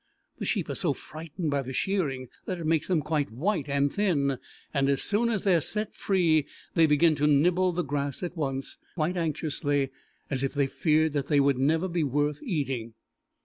The sheep are so frightened by the shearing that it makes them quite white and thin, and as soon as they are set free they begin to nibble the grass at once, quite anxiously, as if they feared that they would never be worth eating.